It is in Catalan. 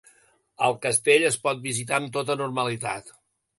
El castell es pot visitar amb tota normalitat.